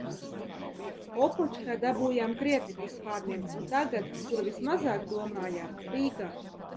Opočkā dabūjām krietni pa spārniem un tagad, kur vismazāk domājām, Rīgā.